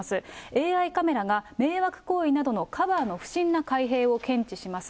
ＡＩカメラが迷惑行為などのカバーの不審な開閉を検知します。